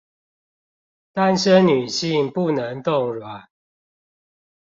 單身女性不能凍卵